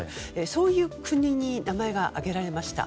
そういう国に名前が挙げられました。